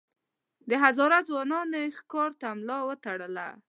د هزاره ځوانانو ښکار ته ملا وتړله.